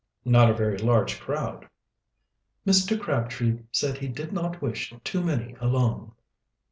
"Not a very large crowd." "Mr. Crabtree said he did not wish too many along."